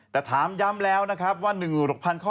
แต่ถามย้ำแล้วนะครับว่า๑๖๐๐ข้อ